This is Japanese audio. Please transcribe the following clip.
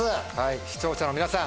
視聴者の皆さん